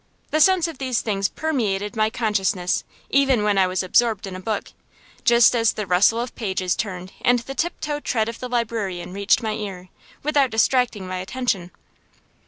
The sense of these things permeated my consciousness even when I was absorbed in a book, just as the rustle of pages turned and the tiptoe tread of the librarian reached my ear, without distracting my attention.